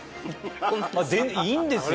いいんですよ。